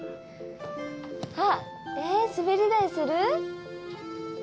あっえっ滑り台する？